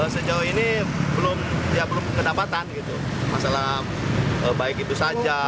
sejauh ini belum kedapatan gitu masalah baik itu saja